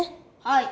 はい。